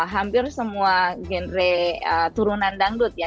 hampir semua genre turunan dangdut ya